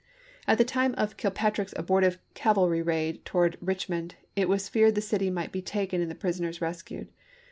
At the time of Kilpatrick's abortive cavalry raid towards Eichmond, it was feared the city might be taken and the prisoners rescued.